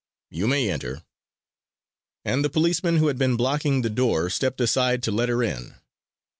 You may enter!" And the policemen who had been blocking the door stepped aside to let her in.